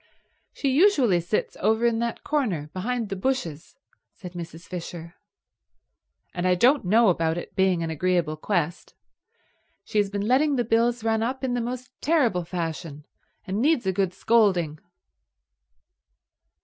"She usually sits over in that corner behind the bushes," said Mrs. Fisher. "And I don't know about it being an agreeable quest. She has been letting the bills run up in the most terrible fashion, and needs a good scolding."